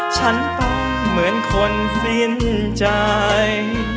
ฉันต้องเหมือนคนสิ้นใจ